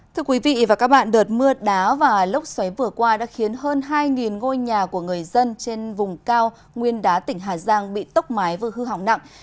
thưa quý vị và các bạn đợt mưa đá và lốc xoáy vừa qua đã khiến hơn hai ngôi nhà của người dân trên vùng cao nguyên đá tỉnh hà giang bị tốc mái vừa hư hỏng nặng